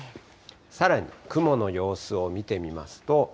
さらに雲の様子を見てみますと。